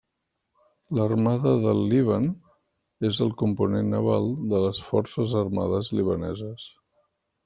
L'Armada del Líban, és el component naval de les forces armades libaneses.